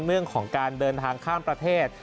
เรื่องของการเดินทางข้ามประเทศ